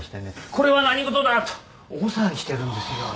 これは何事だ！と大騒ぎしてるんですよ。